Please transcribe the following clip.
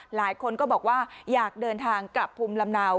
หลายคนก็บอกว่าอยากเดินทางกลับภูมิลำเนา